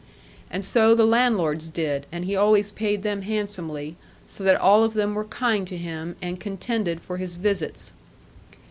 And so the landlords did; and he always paid them handsomely, so that all of them were kind to him, and contended for his visits.